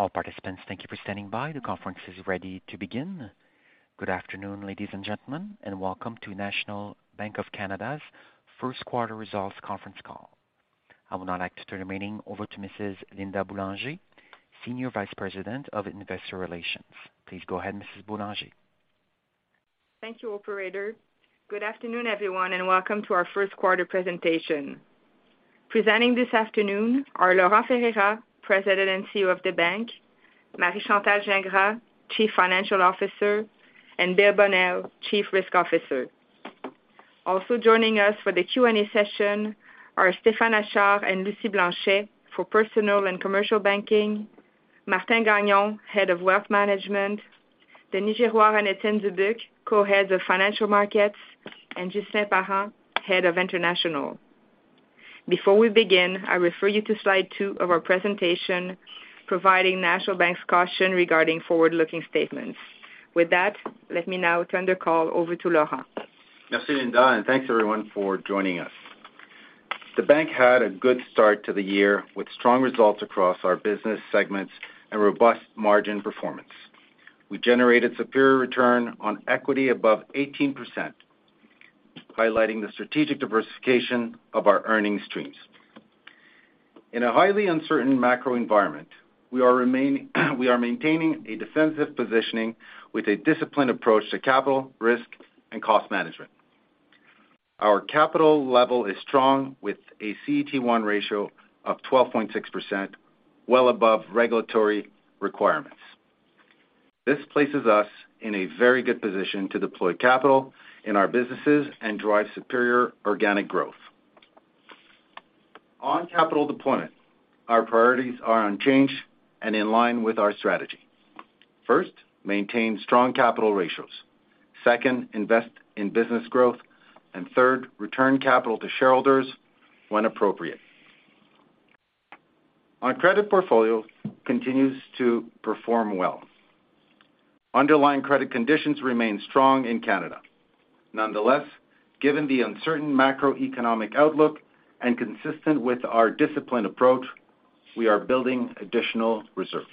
All participants, thank you for standing by. The conference is ready to begin. Good afternoon, ladies and gentlemen, welcome to National Bank of Canada's First Quarter Results Conference Call. I would now like to turn the meeting over to Mrs. Linda Boulanger, Senior Vice President of Investor Relations. Please go ahead, Mrs. Boulanger. Thank you, operator. Good afternoon, everyone, and welcome to our first quarter presentation. Presenting this afternoon are Laurent Ferreira, President and CEO of the bank, Marie-Chantal Gingras, Chief Financial Officer, and Bill Bonnell, Chief Risk Officer. Also joining us for the Q&A session are Stéphane Achard and Lucie Blanchet for personal and commercial banking, Martin Gagnon, Head of Wealth Management, Denis Girouard and Étienne Dubuc, Co-Heads of Financial Markets, and Ghislain Parent, Head of International. Before we begin, I refer you to slide two of our presentation, providing National Bank's caution regarding forward-looking statements. With that, let me now turn the call over to Laurent. Merci, Linda. Thanks everyone for joining us. The bank had a good start to the year with strong results across our business segments and robust margin performance. We generated superior return on equity above 18%, highlighting the strategic diversification of our earning streams. In a highly uncertain macro environment, we are maintaining a defensive positioning with a disciplined approach to capital, risk, and cost management. Our capital level is strong with a CET1 ratio of 12.6%, well above regulatory requirements. This places us in a very good position to deploy capital in our businesses and drive superior organic growth. On capital deployment, our priorities are unchanged and in line with our strategy. First, maintain strong capital ratios. Second, invest in business growth. Third, return capital to shareholders when appropriate. Our credit portfolio continues to perform well. Underlying credit conditions remain strong in Canada. Nonetheless, given the uncertain macroeconomic outlook and consistent with our disciplined approach, we are building additional reserves.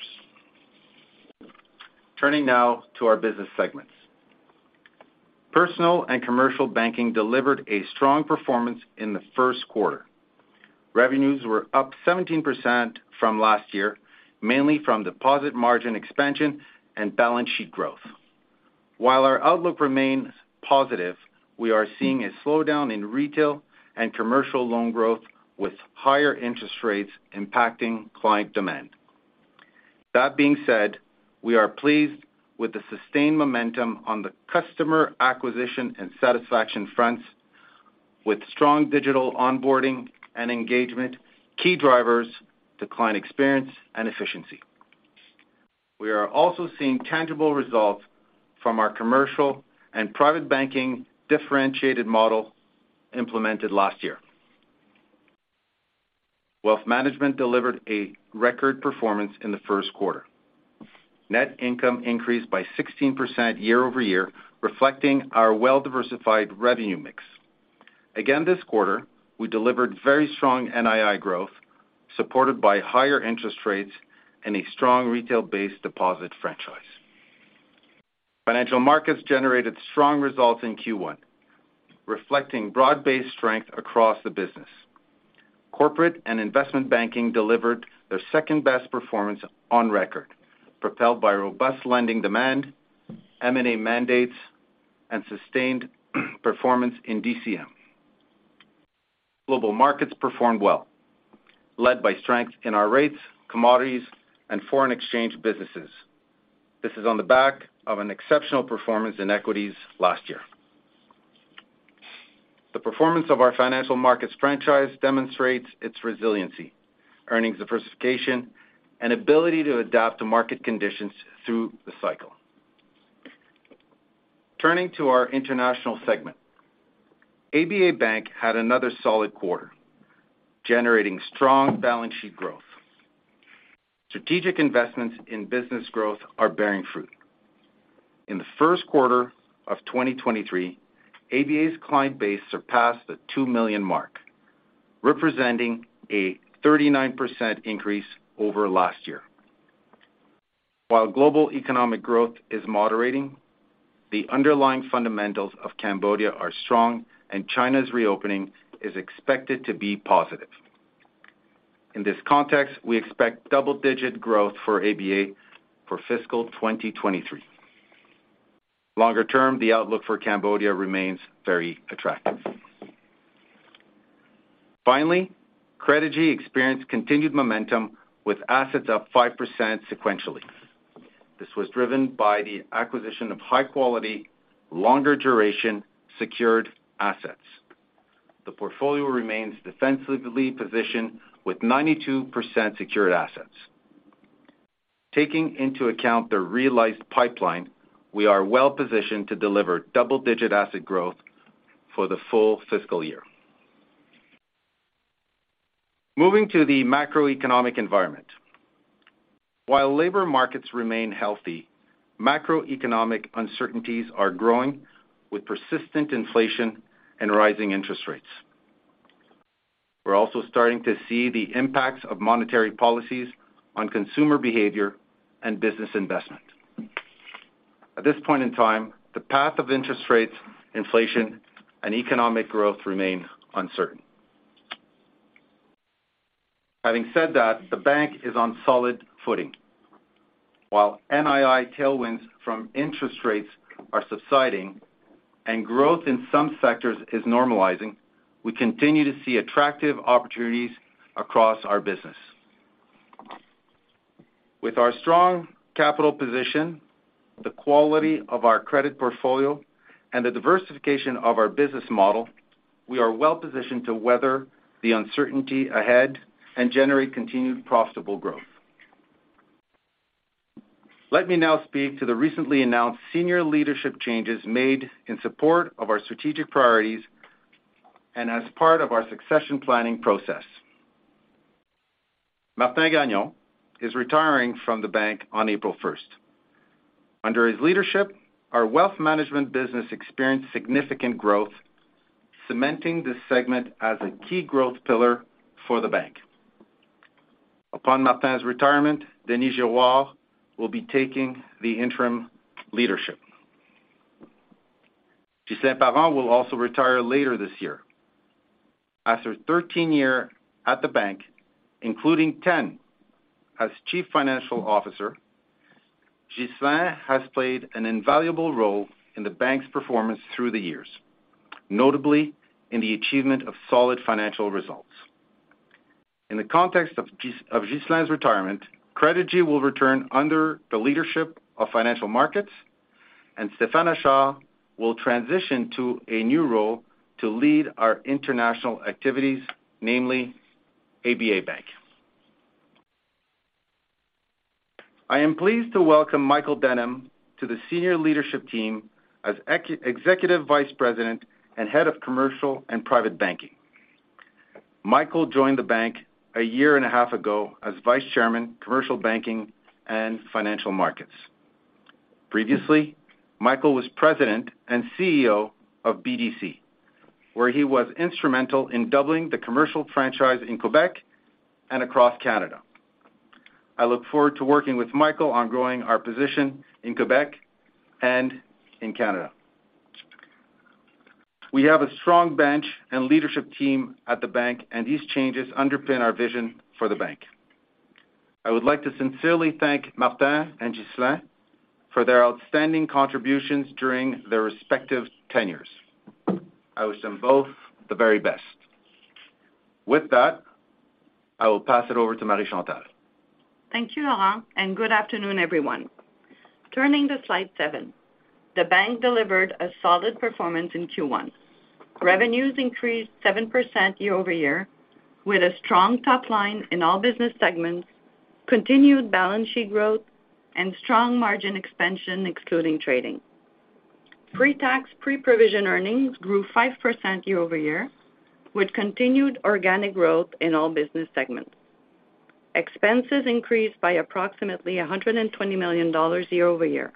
Turning now to our business segments. Personal and Commercial Banking delivered a strong performance in the first quarter. Revenues were up 17% from last year, mainly from deposit margin expansion and balance sheet growth. While our outlook remains positive, we are seeing a slowdown in retail and commercial loan growth with higher interest rates impacting client demand. That being said, we are pleased with the sustained momentum on the customer acquisition and satisfaction fronts with strong digital onboarding and engagement, key drivers to client experience and efficiency. We are also seeing tangible results from our Commercial and Private Banking differentiated model implemented last year. Wealth Management delivered a record performance in the first quarter. Net income increased by 16% year-over-year, reflecting our well-diversified revenue mix. Again this quarter, we delivered very strong NII growth, supported by higher interest rates and a strong retail-based deposit franchise. Financial markets generated strong results in Q1 reflecting broad-based strength across the business. Corporate and investment banking delivered their second-best performance on record, propelled by robust lending demand, M&A mandates, and sustained performance in DCM. Global markets performed well, led by strength in our rates, commodities, and foreign exchange businesses. This is on the back of an exceptional performance in equities last year. The performance of our financial markets franchise demonstrates its resiliency, earnings diversification, and ability to adapt to market conditions through the cycle. Turning to our international segment. ABA Bank had another solid quarter, generating strong balance sheet growth. Strategic investments in business growth are bearing fruit. In the first quarter of 2023, ABA's client base surpassed the two million mark, representing a 39% increase over last year. While global economic growth is moderating, the underlying fundamentals of Cambodia are strong, and China's reopening is expected to be positive. In this context, we expect double-digit growth for ABA for fiscal 2023. Longer-term, the outlook for Cambodia remains very attractive. Finally, Credigy experienced continued momentum, with assets up 5% sequentially. This was driven by the acquisition of high quality, longer duration, secured assets. The portfolio remains defensively positioned with 92% secured assets. Taking into account the realized pipeline, we are well-positioned to deliver double-digit asset growth for the full fiscal year. Moving to the macroeconomic environment. While labor markets remain healthy, macroeconomic uncertainties are growing with persistent inflation and rising interest rates. We're also starting to see the impacts of monetary policies on consumer behavior and business investment. At this point in time, the path of interest rates, inflation, and economic growth remain uncertain. Having said that, the bank is on solid footing. While NII tailwinds from interest rates are subsiding and growth in some sectors is normalizing, we continue to see attractive opportunities across our business. With our strong capital position, the quality of our credit portfolio, and the diversification of our business model, we are well-positioned to weather the uncertainty ahead and generate continued profitable growth. Let me now speak to the recently announced senior leadership changes made in support of our strategic priorities and as part of our succession planning process. Martin Gagnon is retiring from the bank on April first. Under his leadership, our wealth management business experienced significant growth, cementing this segment as a key growth pillar for the bank. Upon Martin's retirement, Denis Girouard will be taking the interim leadership. Ghislain Parent will also retire later this year. After 13 years at the bank, including 10 as Chief Financial Officer, Ghislain has played an invaluable role in the bank's performance through the years, notably in the achievement of solid financial results. In the context of Ghislain's retirement, Credigy will return under the leadership of Financial Markets, and Stéphane Achard will transition to a new role to lead our international activities, namely ABA Bank. I am pleased to welcome Michael Denham to the senior leadership team as Executive Vice President and Head of Commercial and Private Banking. Michael joined the bank a year and a half ago as Vice Chairman, Commercial Banking and Financial Markets. Previously, Michael was President and CEO of BDC, where he was instrumental in doubling the commercial franchise in Quebec and across Canada. I look forward to working with Michael on growing our position in Quebec and in Canada. We have a strong bench and leadership team at the bank, and these changes underpin our vision for the bank. I would like to sincerely thank Martin and Ghislain for their outstanding contributions during their respective tenures. I wish them both the very best. With that, I will pass it over to Marie-Chantal. Thank you, Laurent, good afternoon, everyone. Turning to slide seven. The bank delivered a solid performance in Q1. Revenues increased 7% year-over-year, with a strong top line in all business segments, continued balance sheet growth, and strong margin expansion, excluding trading. Pre-tax, pre-provision earnings grew 5% year-over-year, with continued organic growth in all business segments. Expenses increased by approximately $120 million year-over-year.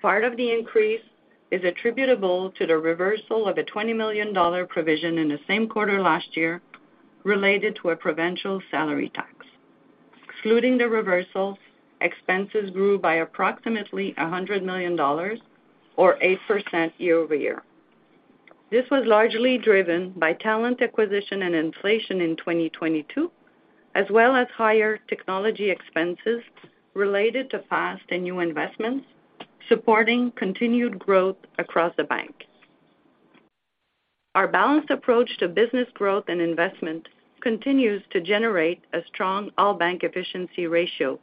Part of the increase is attributable to the reversal of a $20 million provision in the same quarter last year related to a provincial salary tax. Excluding the reversal, expenses grew by approximately $100 million or 8% year-over-year. This was largely driven by talent acquisition and inflation in 2022, as well as higher technology expenses related to past and new investments, supporting continued growth across the bank. Our balanced approach to business growth and investment continues to generate a strong all bank efficiency ratio,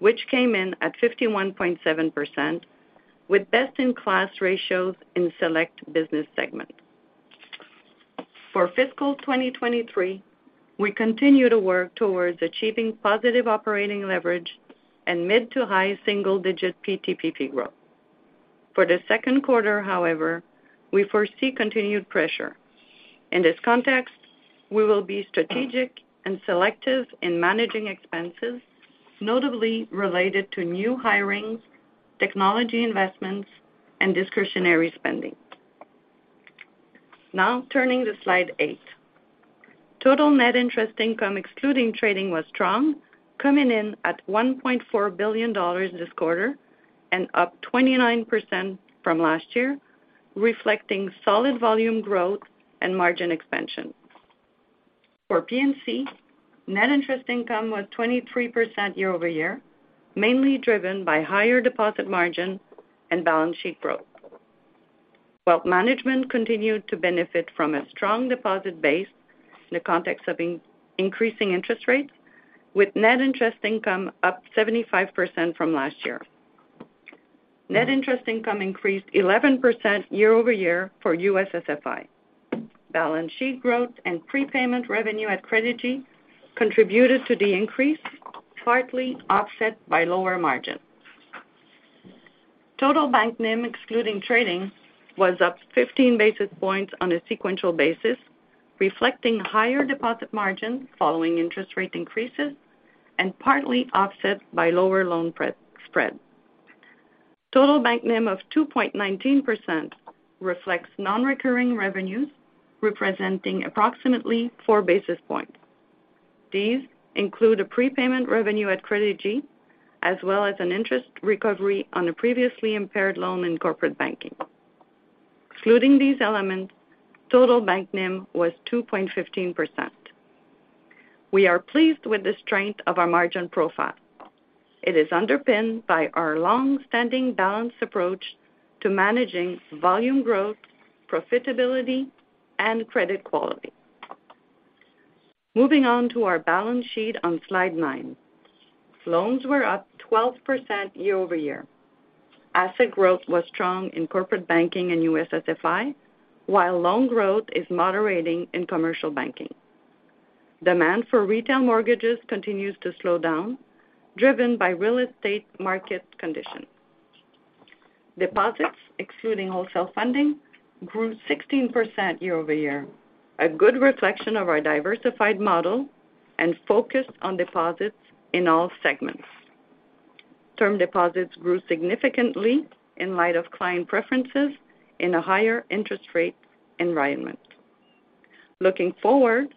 which came in at 51.7%, with best-in-class ratios in select business segments. For fiscal 2023, we continue to work towards achieving positive operating leverage and mid to high single-digit PTPP growth. For the 2nd quarter, however, we foresee continued pressure. In this context, we will be strategic and selective in managing expenses, notably related to new hirings, technology investments, and discretionary spending. Turning to slide eight. Total net interest income, excluding trading, was strong, coming in at 1.4 billion dollars this quarter and up 29% from last year, reflecting solid volume growth and margin expansion. For PNC, net interest income was 23% year-over-year, mainly driven by higher deposit margin and balance sheet growth. Wealth management continued to benefit from a strong deposit base in the context of increasing interest rates, with net interest income up 75% from last year. Net interest income increased 11% year-over-year for USSF&I. Balance sheet growth and prepayment revenue at Credigy contributed to the increase, partly offset by lower margin. Total bank NIM, excluding trading, was up 15 basis points on a sequential basis, reflecting higher deposit margin following interest rate increases and partly offset by lower loan spread. Total bank NIM of 2.19% reflects non-recurring revenues, representing approximately four basis points. These include a prepayment revenue at Credigy, as well as an interest recovery on a previously impaired loan in corporate banking. Excluding these elements, total bank NIM was 2.15%. We are pleased with the strength of our margin profile. It is underpinned by our long-standing balanced approach to managing volume growth, profitability, and credit quality. Moving on to our balance sheet on slide nine. Loans were up 12% year-over-year. Asset growth was strong in corporate banking and USSF&I, while loan growth is moderating in commercial banking. Demand for retail mortgages continues to slow down, driven by real estate market conditions. Deposits, excluding wholesale funding, grew 16% year-over-year, a good reflection of our diversified model and focus on deposits in all segments. Term deposits grew significantly in light of client preferences in a higher interest rate environment. Looking forward,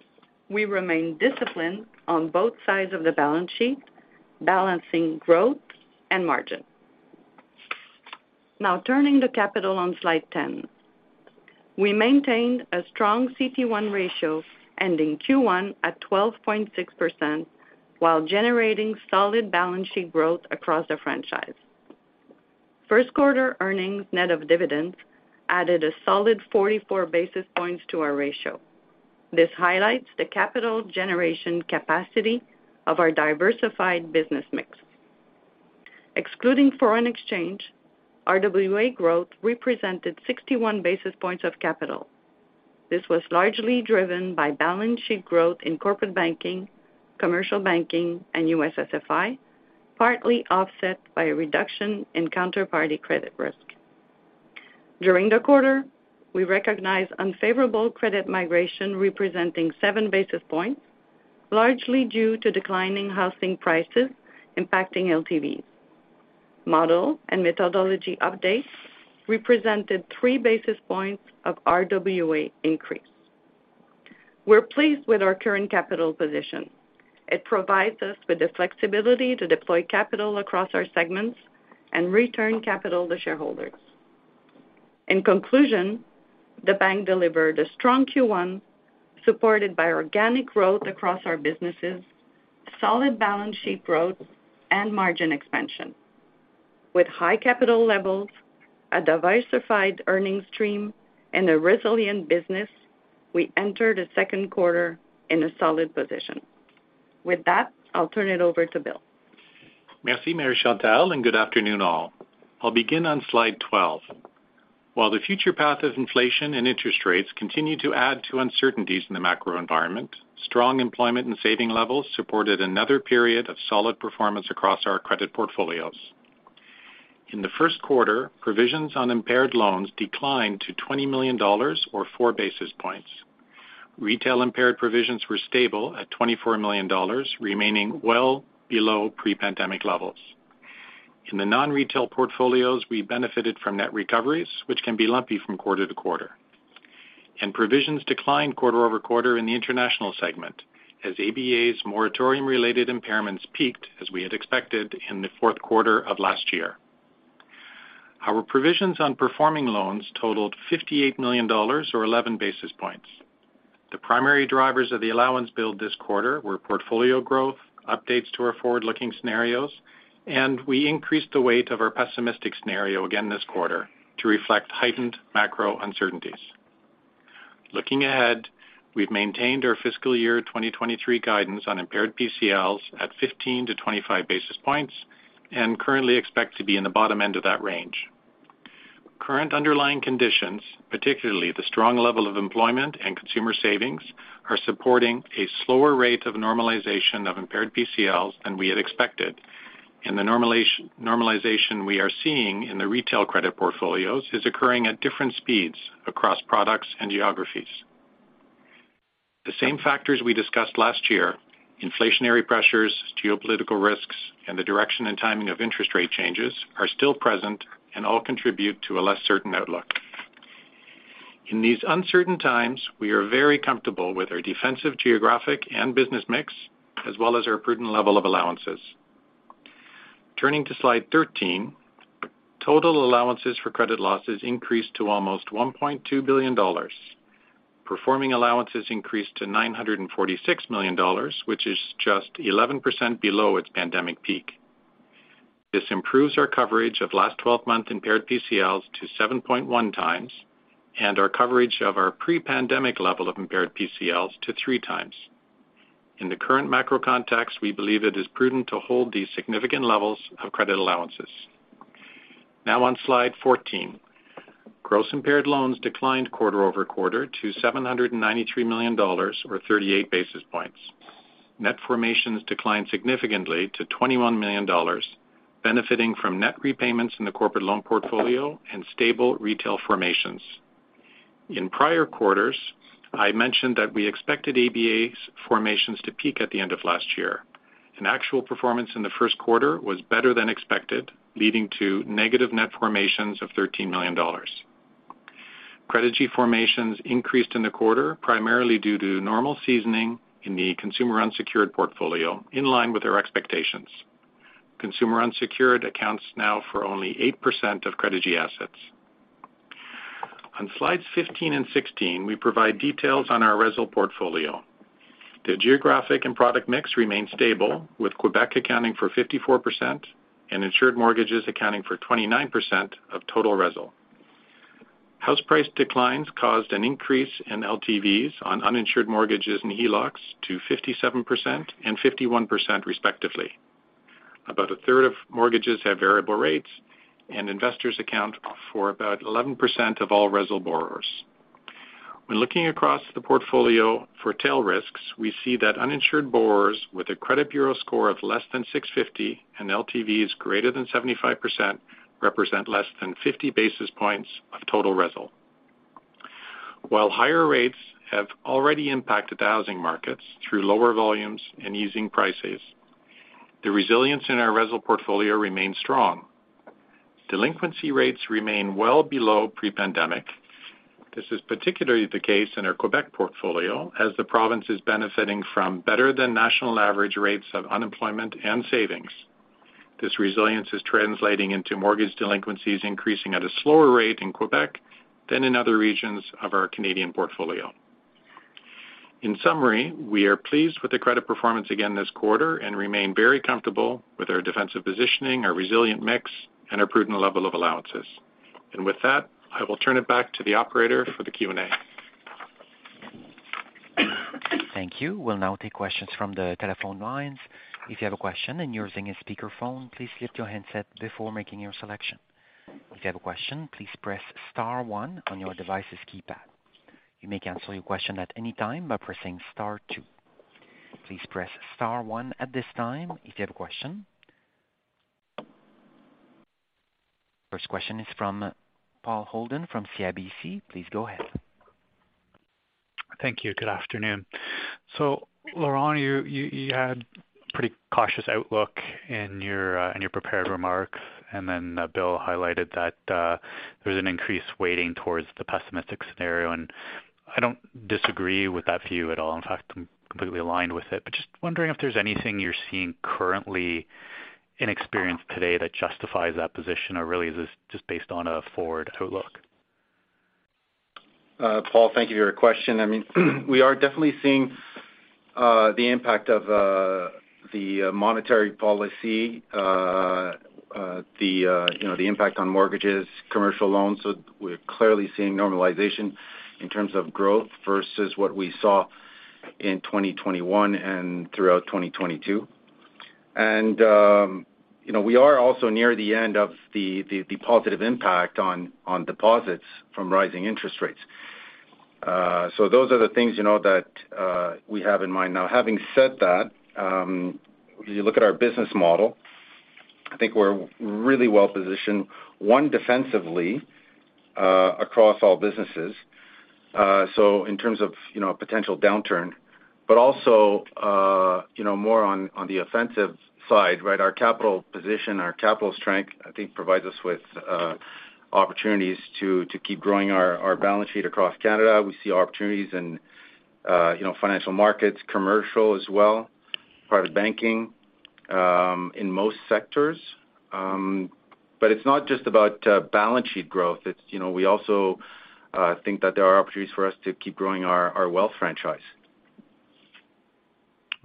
we remain disciplined on both sides of the balance sheet, balancing growth and margin. Now turning to capital on slide ten. We maintained a strong CET1 ratio ending Q1 at 12.6% while generating solid balance sheet growth across the franchise. First quarter earnings net of dividends added a solid 44 basis points to our ratio. This highlights the capital generation capacity of our diversified business mix. Excluding foreign exchange, RWA growth represented 61 basis points of capital. This was largely driven by balance sheet growth in corporate banking, commercial banking, and USSF&I, partly offset by a reduction in counterparty credit risk. During the quarter, we recognized unfavorable credit migration representing seven basis points, largely due to declining housing prices impacting LTVs. Model and methodology updates represented three basis points of RWA increase. We're pleased with our current capital position. It provides us with the flexibility to deploy capital across our segments and return capital to shareholders. In conclusion, the bank delivered a strong Q1 supported by organic growth across our businesses, solid balance sheet growth, and margin expansion. With high capital levels, a diversified earnings stream, and a resilient business, we enter the second quarter in a solid position. With that, I'll turn it over to Bill. Merci, Marie-Chantal, good afternoon, all. I'll begin on slide 12. While the future path of inflation and interest rates continue to add to uncertainties in the macro environment, strong employment and saving levels supported another period of solid performance across our credit portfolios. In the first quarter, provisions on impaired loans declined to $20 million or four basis points. Retail impaired provisions were stable at $24 million, remaining well below pre-pandemic levels. In the non-retail portfolios, we benefited from net recoveries, which can be lumpy from quarter-to-quarter. Provisions declined quarter-over-quarter in the international segment as ABA's moratorium-related impairments peaked, as we had expected in the fourth quarter of last year. Our provisions on performing loans totaled $58 million or 11 basis points. The primary drivers of the allowance build this quarter were portfolio growth, updates to our forward-looking scenarios, and we increased the weight of our pessimistic scenario again this quarter to reflect heightened macro uncertainties. Looking ahead, we've maintained our fiscal year 2023 guidance on impaired PCLs at 15-25 basis points and currently expect to be in the bottom end of that range. Current underlying conditions, particularly the strong level of employment and consumer savings, are supporting a slower rate of normalization of impaired PCLs than we had expected, and the normalization we are seeing in the retail credit portfolios is occurring at different speeds across products and geographies. The same factors we discussed last year, inflationary pressures, geopolitical risks, and the direction and timing of interest rate changes, are still present and all contribute to a less certain outlook. In these uncertain times, we are very comfortable with our defensive geographic and business mix, as well as our prudent level of allowances. Turning to slide 13, total allowances for credit losses increased to almost 1.2 billion dollars. Performing allowances increased to 946 million dollars, which is just 11% below its pandemic peak. This improves our coverage of last 12-month impaired PCLs to 7.1x, and our coverage of our pre-pandemic level of impaired PCLs to 3x. In the current macro context, we believe it is prudent to hold these significant levels of credit allowances. On slide 14, gross impaired loans declined quarter-over-quarter to 793 million dollars or 38 basis points. Net formations declined significantly to 21 million dollars, benefiting from net repayments in the corporate loan portfolio and stable retail formations. In prior quarters, I mentioned that we expected ABA's formations to peak at the end of last year. Actual performance in the first quarter was better than expected, leading to negative net formations of 13 million dollars. Credigy formations increased in the quarter, primarily due to normal seasoning in the consumer unsecured portfolio, in line with our expectations. Consumer unsecured accounts now for only 8% of Credigy assets. On slides 15 and 16, we provide details on our RESL portfolio. The geographic and product mix remains stable, with Quebec accounting for 54% and insured mortgages accounting for 29% of total RESL. House price declines caused an increase in LTVs on uninsured mortgages and HELOCs to 57% and 51% respectively. About a third of mortgages have variable rates. Investors account for about 11% of all RESL borrowers. When looking across the portfolio for tail risks, we see that uninsured borrowers with a credit bureau score of less than 650 and LTVs greater than 75% represent less than 50 basis points of total RESL. While higher rates have already impacted the housing markets through lower volumes and easing price rates, the resilience in our RESL portfolio remains strong. Delinquency rates remain well below pre-pandemic. This is particularly the case in our Quebec portfolio, as the province is benefiting from better than national average rates of unemployment and savings. This resilience is translating into mortgage delinquencies increasing at a slower rate in Quebec than in other regions of our Canadian portfolio. In summary, we are pleased with the credit performance again this quarter and remain very comfortable with our defensive positioning, our resilient mix, and our prudent level of allowances. With that, I will turn it back to the operator for the Q&A. Thank you. We'll now take questions from the telephone lines. If you have a question and you're using a speakerphone, please lift your handset before making your selection. If you have a question, please press star one on your device's keypad. You may cancel your question at any time by pressing star two. Please press star one at this time if you have a question. First question is from Paul Holden from CIBC. Please go ahead. Thank you. Good afternoon. Laurent, you had pretty cautious outlook in your prepared remarks, and then Bill highlighted that there's an increase weighting towards the pessimistic scenario. I don't disagree with that view at all. In fact, I'm completely aligned with it. Just wondering if there's anything you're seeing currently in experience today that justifies that position or really is this just based on a forward outlook? Paul, thank you for your question. I mean, we are definitely seeing the impact of the monetary policy, the, you know, the impact on mortgages, commercial loans. We're clearly seeing normalization in terms of growth versus what we saw in 2021 and throughout 2022. You know, we are also near the end of the positive impact on deposits from rising interest rates. Those are the things, you know, that we have in mind. Having said that, if you look at our business model, I think we're really well positioned, one, defensively, across all businesses. In terms of, you know, a potential downturn, but also, you know, more on the offensive side, right? Our capital position, our capital strength, I think provides us with opportunities to keep growing our balance sheet across Canada. We see opportunities in, you know, financial markets, commercial as well, private banking, in most sectors. It's not just about balance sheet growth. It's, you know, we also think that there are opportunities for us to keep growing our wealth franchise.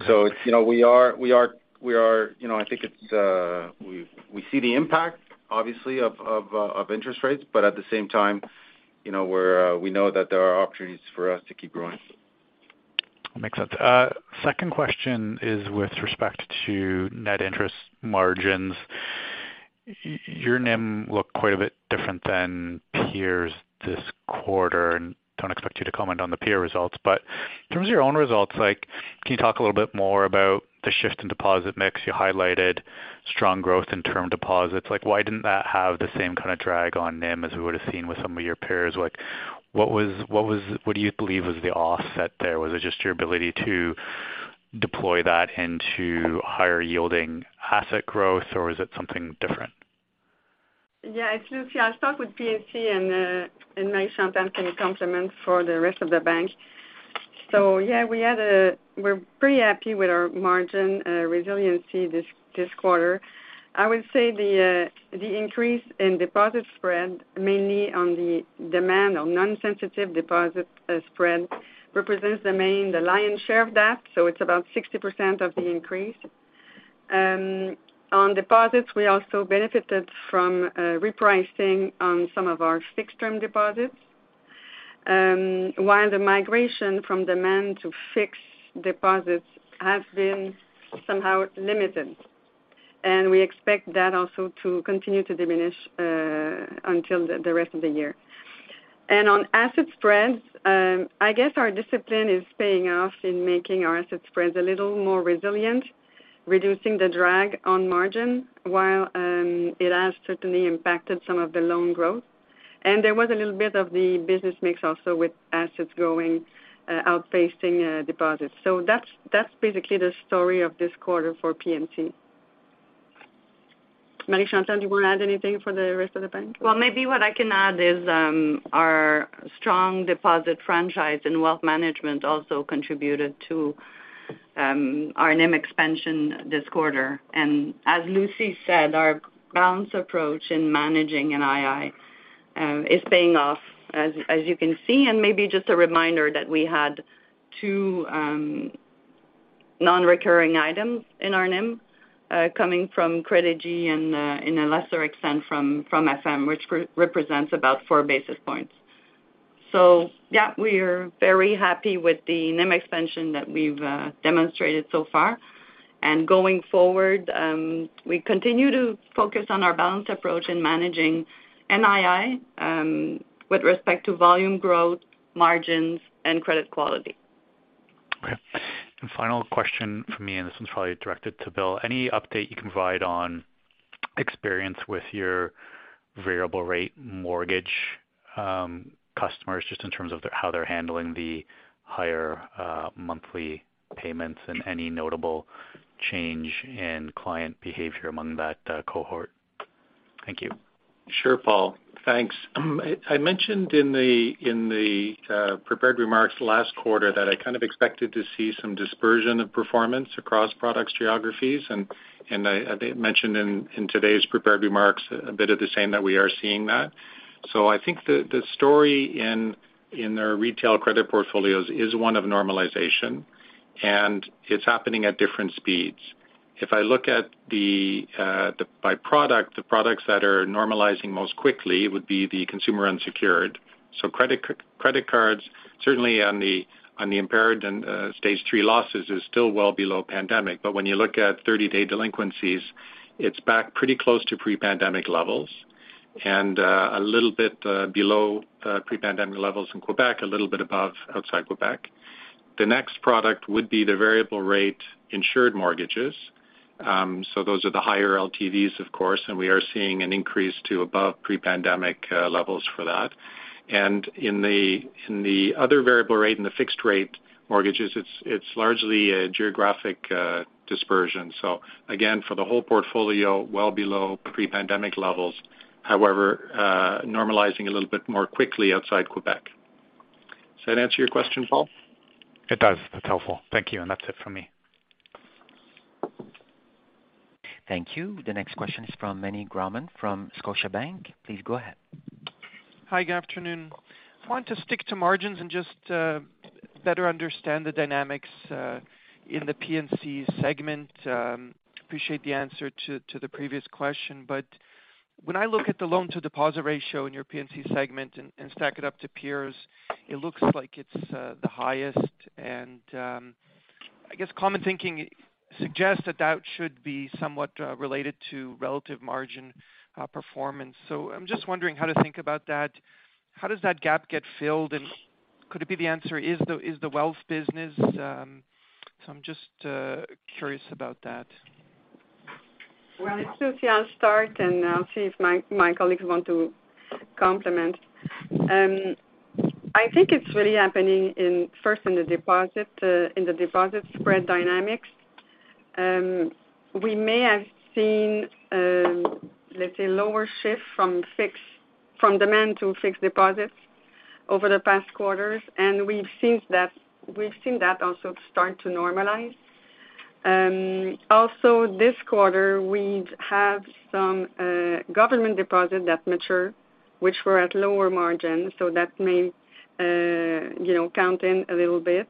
You know, I think it's, we see the impact obviously of interest rates, but at the same time, you know, we're, we know that there are opportunities for us to keep growing. Makes sense. Second question is with respect to net interest margins. Your NIM looked quite a bit different than peers this quarter. Don't expect you to comment on the peer results, but in terms of your own results, like, can you talk a little bit more about the shift in deposit mix? You highlighted strong growth in term deposits. Like, why didn't that have the same kinda drag on NIM as we would have seen with some of your peers? Like, what was, what do you believe was the offset there? Was it just your ability to deploy that into higher yielding asset growth, or is it something different? Yeah. It's Lucie. I'll start with P&C and Marie-Chantal can complement for the rest of the bank. We're pretty happy with our margin resiliency this quarter. I would say the increase in deposit spread, mainly on the demand on non-sensitive deposit spread, represents the main, the lion's share of that. It's about 60% of the increase. On deposits, we also benefited from repricing on some of our fixed term deposits, while the migration from demand to fixed deposits has been somehow limited. We expect that also to continue to diminish until the rest of the year. On asset spreads, I guess our discipline is paying off in making our asset spreads a little more resilient. Reducing the drag on margin while it has certainly impacted some of the loan growth. There was a little bit of the business mix also with assets growing out pacing deposits. That's basically the story of this quarter for PNC. Marie-Chantal, do you wanna add anything for the rest of the bank? Well, maybe what I can add is, our strong deposit franchise and wealth management also contributed to our NIM expansion this quarter. As Lucie said, our balanced approach in managing NII is paying off as you can see, and maybe just a reminder that we had two non-recurring items in our NIM coming from Credigy and in a lesser extent from FM, which re-represents about four basis points. Yeah, we are very happy with the NIM expansion that we've demonstrated so far. Going forward, we continue to focus on our balanced approach in managing NII with respect to volume growth, margins, and credit quality. Okay. Final question from me, and this one's probably directed to Bill. Any update you can provide on experience with your variable rate mortgage customers, just in terms of how they're handling the higher monthly payments, and any notable change in client behavior among that cohort? Thank you. Sure, Paul, thanks. I mentioned in the prepared remarks last quarter that I kind of expected to see some dispersion of performance across products geographies, and I think mentioned in today's prepared remarks a bit of the same that we are seeing that. I think the story in our retail credit portfolios is one of normalization, and it's happening at different speeds. If I look at the by product, the products that are normalizing most quickly would be the consumer unsecured. Credit cards certainly on the impaired and Stage 3 losses is still well below pandemic, but when you look at 30-day delinquencies, it's back pretty close to pre-pandemic levels and a little bit below pre-pandemic levels in Quebec, a little bit above outside Quebec. The next product would be the variable rate insured mortgages. Those are the higher LTVs of course, and we are seeing an increase to above pre-pandemic levels for that. In the other variable rate, in the fixed rate mortgages, it's largely a geographic dispersion. Again, for the whole portfolio, well below pre-pandemic levels, however, normalizing a little bit more quickly outside Quebec. Does that answer your question, Paul? It does. That's helpful. Thank you. That's it for me. Thank you. The next question is from Meny Grauman from Scotiabank. Please go ahead. Hi, good afternoon. I want to stick to margins and just better understand the dynamics in the PNC segment. Appreciate the answer to the previous question, but when I look at the loan to deposit ratio in your PNC segment and stack it up to peers, it looks like it's the highest. I guess common thinking suggests that that should be somewhat related to relative margin performance. I'm just wondering how to think about that. How does that gap get filled, and could it be the answer is the wealth business? I'm just curious about that. Well, it's Lucie. I'll start, and I'll see if my colleagues want to complement. I think it's really happening in, first in the deposit, in the deposit spread dynamics. We may have seen, let's say, lower shift from demand to fixed deposits over the past quarters, and we've seen that also start to normalize. Also this quarter, we've have some government deposit that mature, which were at lower margin, so that may, you know, count in a little bit.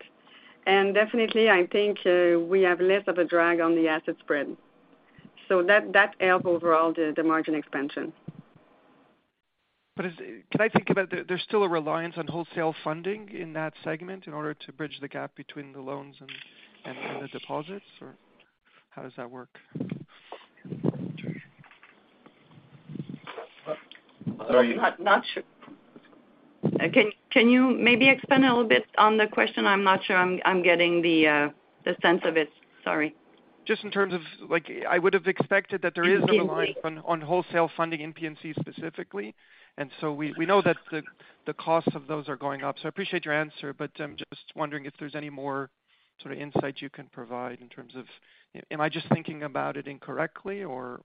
Definitely I think, we have less of a drag on the asset spread. That help overall the margin expansion. Can I think about there's still a reliance on wholesale funding in that segment in order to bridge the gap between the loans and the deposits, or how does that work? I'm not sure. Can you maybe expand a little bit on the question? I'm not sure I'm getting the sense of it, sorry. Just in terms of like, I would've expected that there is a reliance- Instantly. on wholesale funding in PNC specifically. We know that the costs of those are going up, so I appreciate your answer, but I'm just wondering if there's any more sort of insight you can provide in terms of am I just thinking about it incorrectly or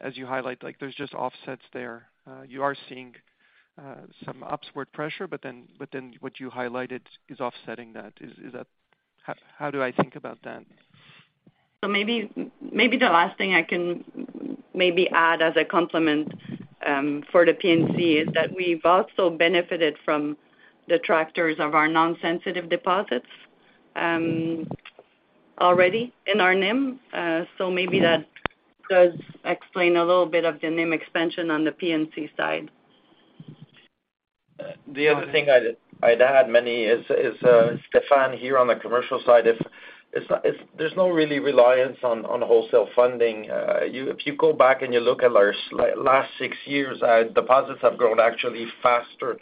as you highlight, like there's just offsets there? You are seeing some upward pressure, but then what you highlighted is offsetting that. Is that? How do I think about that? maybe the last thing I can maybe add as a complement for the PNC is that we've also benefited from the tractors of our non-sensitive deposits already in our NIM. maybe that does explain a little bit of the NIM expansion on the PNC side. The other thing I'd add, Meny, is Stéphane here on the commercial side, there's no really reliance on wholesale funding. You, if you go back and you look at our last six years, our deposits have grown actually faster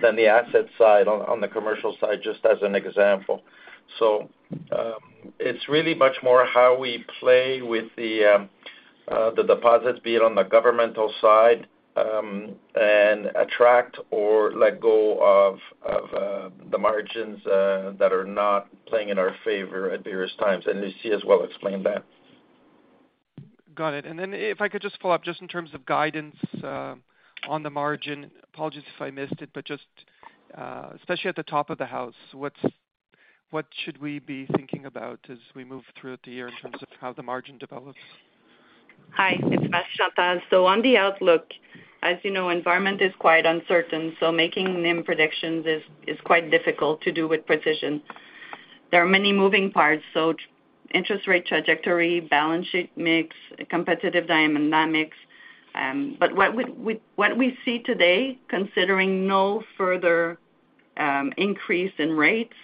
The asset side on the commercial side, just as an example. It's really much more how we play with the deposits, be it on the governmental side, and attract or let go of the margins, that are not playing in our favor at various times. You see as well explained that. Got it. Then if I could just follow up, just in terms of guidance, on the margin. Apologies if I missed it, but just, especially at the top of the house, what should we be thinking about as we move throughout the year in terms of how the margin develops? Hi, it's Chantal. On the outlook, as you know, environment is quite uncertain, so making NIM predictions is quite difficult to do with precision. There are many moving parts: interest rate trajectory, balance sheet mix, competitive dynamics. What we see today considering no further increase in rates,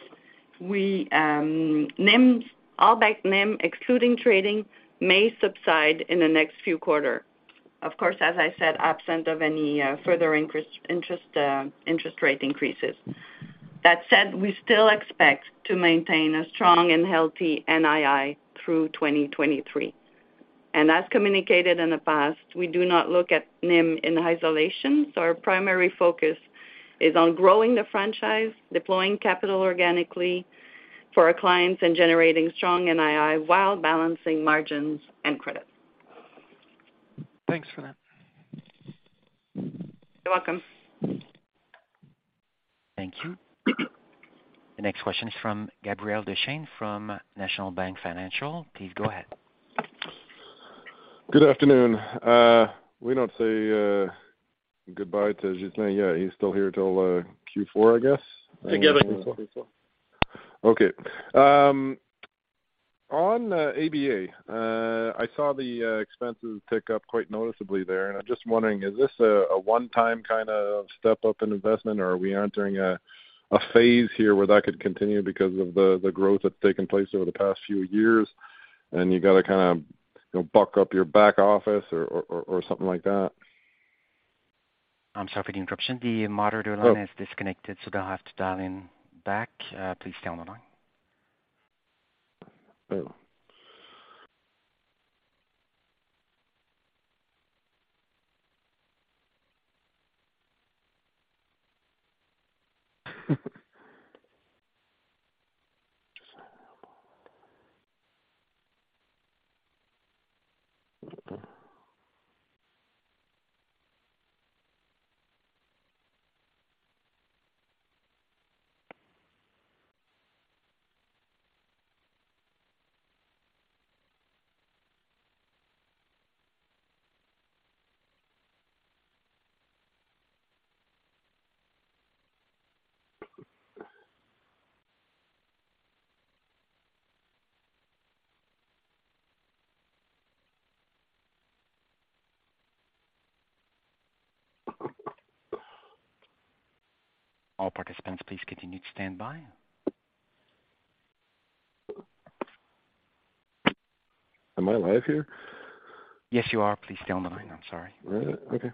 we all bank NIM excluding trading may subside in the next few quarter. Of course, as I said, absent of any further interest rate increases. That said, we still expect to maintain a strong and healthy NII through 2023. As communicated in the past, we do not look at NIM in isolation, so our primary focus is on growing the franchise, deploying capital organically for our clients, and generating strong NII while balancing margins and credit. Thanks for that. You're welcome. Thank you. The next question is from Gabriel Dechaine from National Bank Financial. Please go ahead. Good afternoon. We don't say goodbye to Ghislain. Yeah, he's still here till Q4, I guess. Together Q4. Okay. On ABA, I saw the expenses tick up quite noticeably there. I'm just wondering, is this a one-time kind of step up in investment, or are we entering a phase here where that could continue because of the growth that's taken place over the past few years, and you gotta kind of, you know, buck up your back office or something like that? I'm sorry for the interruption. The moderator line is disconnected. They'll have to dial in back. Please stay on the line. Oh. All participants, please continue to stand by. Am I live here? Yes, you are. Please stay on the line. I'm sorry. Really? Okay.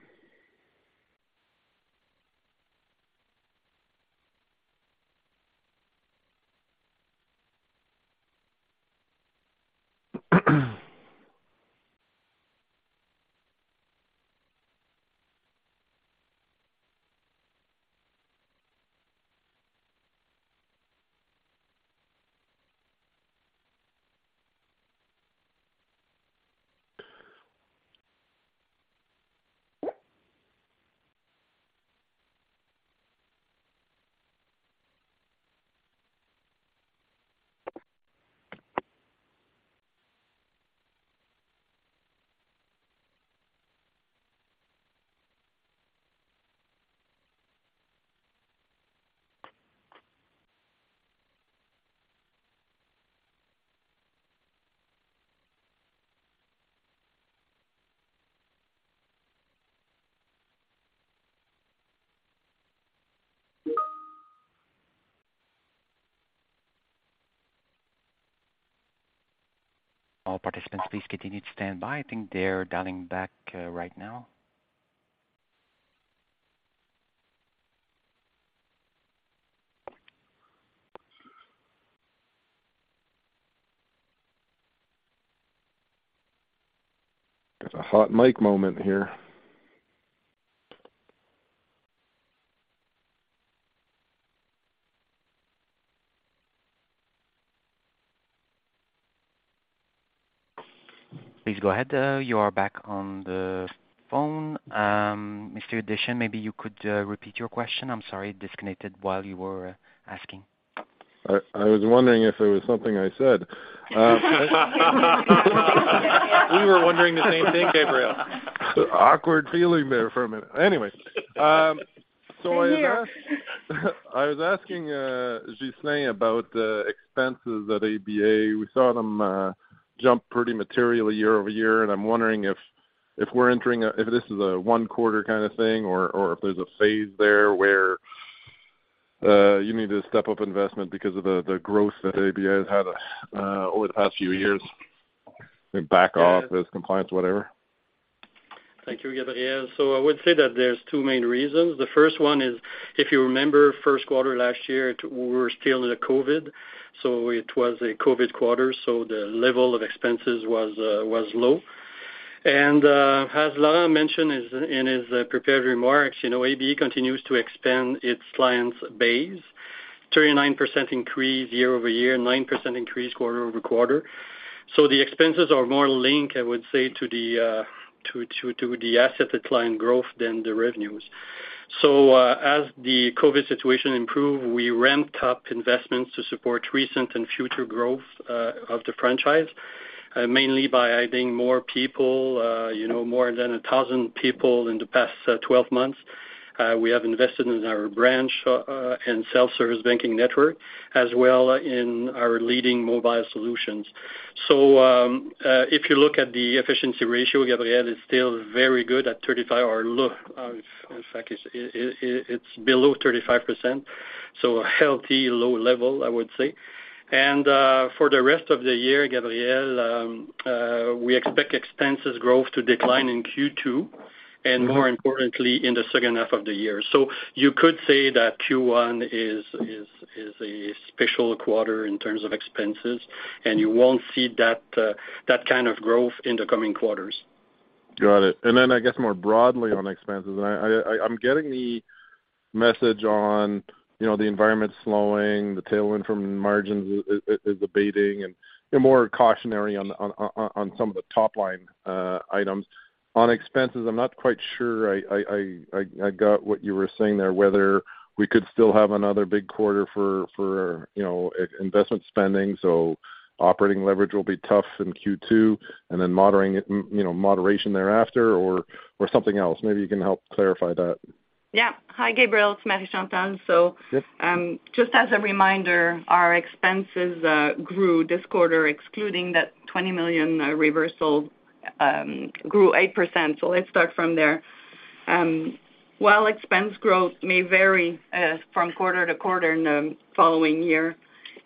All participants, please continue to stand by. I think they are dialing back right now. Got a hot mic moment here. Please go ahead. You are back on the phone. Mr. Dechaine, maybe you could repeat your question. I'm sorry, it disconnected while you were asking. I was wondering if it was something I said? We were wondering the same thing, Gabriel. Awkward feeling there for a minute. Anyways, so I was. For you. I was asking Ghislain about the expenses at ABA. We saw them jump pretty materially year-over-year. I'm wondering if this is a one quarter kind of thing or if there's a phase there where you need to step up investment because of the growth that ABA has had over the past few years. Back off as compliance, whatever. Thank you, Gabriel. I would say that there's two main reasons. The first one is, if you remember first quarter last year, we were still in the COVID, it was a COVID quarter, the level of expenses was low. As Laurent mentioned in his prepared remarks, you know, ABA continues to expand its clients base, 39% increase year-over-year, 9% increase quarter-over-quarter. The expenses are more linked, I would say, to the asset decline growth than the revenues. As the COVID situation improve, we ramped up investments to support recent and future growth of the franchise, mainly by adding more people, you know, more than 1,000 people in the past 12 months. We have invested in our branch and self-service banking network as well in our leading mobile solutions. If you look at the efficiency ratio, Gabriel, is still very good at 35 or in fact it's below 35%, so a healthy low level, I would say. For the rest of the year, Gabriel, we expect expenses growth to decline in Q2 and more importantly in the second half of the year. You could say that Q1 is a special quarter in terms of expenses, and you won't see that kind of growth in the coming quarters. Got it. Then I guess more broadly on expenses, I'm getting the message on, you know, the environment slowing, the tailwind from margins is abating and more cautionary on some of the top line items. On expenses, I'm not quite sure I got what you were saying there, whether we could still have another big quarter for, you know, investment spending, so operating leverage will be tough in Q2 and then moderating, you know, moderation thereafter or something else. Maybe you can help clarify that. Yeah. Hi Gabriel, it's Marie-Chantal. Yes. Just as a reminder, our expenses grew this quarter, excluding that 20 million reversal, grew 8%. Let's start from there. While expense growth may vary from quarter-to-quarter in the following year,